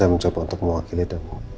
saya mencoba untuk mewakili dan